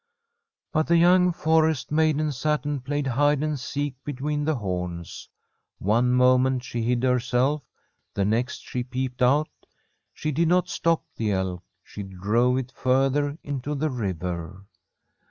But the young forest maiden sat and played hide and seek between the horns. One moment she hid herself, the next she peeped out. She did not stop the elk; she drove it further into the river.